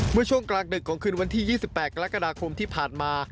เมื่อช่วงกลางดึกของคืนวันที่๒๘กรกฎาคมที่ผ่านมา